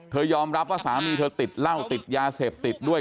ยอมรับว่าสามีเธอติดเหล้าติดยาเสพติดด้วย